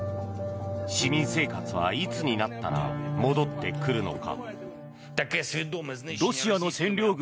市民生活はいつになったら戻ってくるのか。